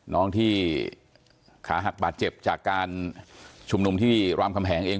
น้องที่ขาหักบาดเจ็บจากการชุมนุมที่รามคำแหงเอง